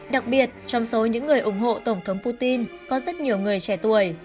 đặc biệt trong số những người ủng hộ tổng thống putin có rất nhiều người trẻ tuổi